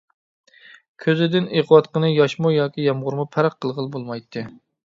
كۆزىدىن ئېقىۋاتقىنى ياشمۇ ياكى يامغۇرمۇ پەرق قىلغىلى بولمايتتى.